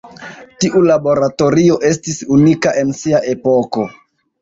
Tiu laboratorio estis unika en sia epoko.